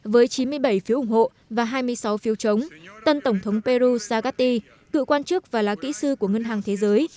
với chín mươi bảy phiếu ủng hộ và hai mươi sáu phiếu chống tân tổng thống peru zagati cựu quan chức và lá kỹ sư của ngân hàng thế giới